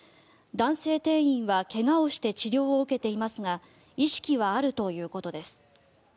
男性店員は怪我をして治療を受けていますが意識はあるということです。